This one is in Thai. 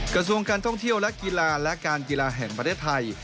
กระทรวงการท่องเที่ยวและกีฬาและการกีฬาแห่งประเทศไทย